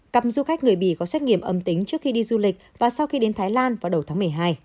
cặp du khách người bỉ có xét nghiệm âm tính trước khi đi du lịch và sau khi đến thái lan vào đầu tháng một mươi hai